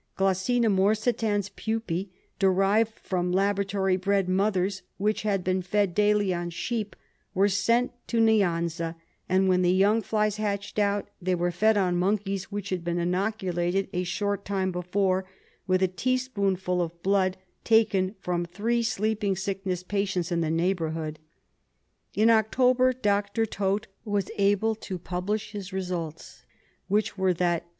G. morsitans pupae , derived from laboratory bred mothers which had been fed daily on sheep, were sent to Niansa, and when the young flies hatched, out, they were fed on monkeys which had been inoculated a short time before with a tea spoonful of blood taken from three sleeping sickness patients in the neighbourhood. In October Dr. Taute was able to publish his results, which were that G.